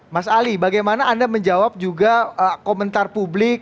mas ali bagaimana anda menjawab juga komentar publik